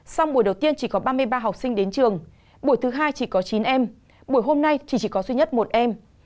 xong buổi đầu tiên chỉ có ba mươi ba học sinh đến trường buổi thứ hai chỉ có chín em buổi hôm nay chỉ chỉ có duy nhất một em